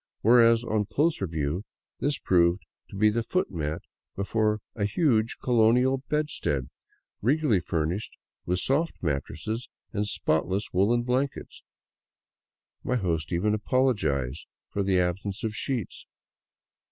Whereas, on closer view this proved to be the foot mat be fore a huge colonial bedstead, regally furnished with soft mattresses and spotless woolen blankets. My host even apologized for the ab sence of sheets.